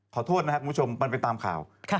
ขอโทษนะครับคุณผู้ชมมันไปตามข่าว